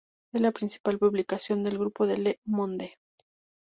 Es la principal publicación del grupo Le Monde.